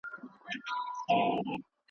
مچان او ماشي د ناروغیو د خپریدو لامل کیږي.